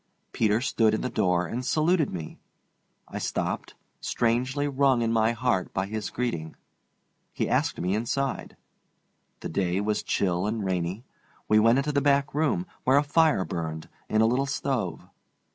Peter stood in the door and saluted me. I stopped, strangely wrung in my heart by his greeting. He asked me inside. The day was chill and rainy. We went into the back room, where a fire burned, in a little stove.